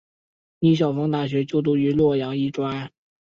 李晓峰大学就读于洛阳医专。